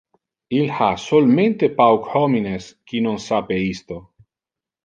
Il ha solmente pauc homines qui non sape isto.